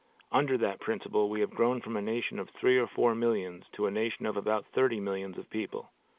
Under that principle, we have grown from a nation of three or four millions to a nation of about thirty millions of people.